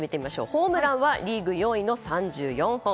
ホームランはリーグ４位の３４本。